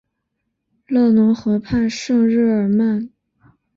勒农河畔圣日耳曼。